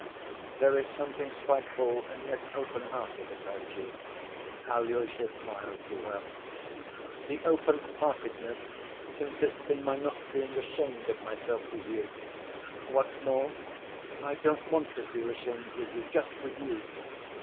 "There is something spiteful and yet open‐hearted about you," Alyosha smiled to her. "The open‐heartedness consists in my not being ashamed of myself with you. What's more, I don't want to feel ashamed with you, just with you.